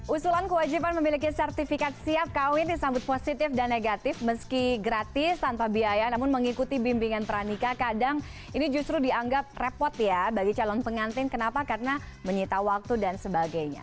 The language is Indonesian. usulan kewajiban memiliki sertifikat siap kawin disambut positif dan negatif meski gratis tanpa biaya namun mengikuti bimbingan pernikah kadang ini justru dianggap repot ya bagi calon pengantin kenapa karena menyita waktu dan sebagainya